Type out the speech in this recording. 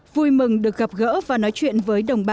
vui mừng được gặp gỡ và nói chuyện với đồng bào